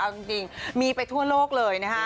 เอาจริงมีไปทั่วโลกเลยนะฮะ